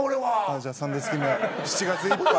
じゃあ３打席目７月いっぱい。